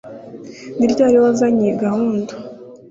Ni ryari wazanye iyi gahunda